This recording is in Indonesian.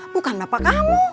bukan bapak kamu